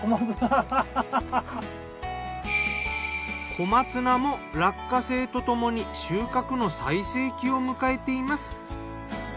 小松菜も落花生とともに収穫の最盛期を迎えています。